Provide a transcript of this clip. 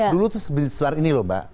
dulu itu sebesar ini loh mbak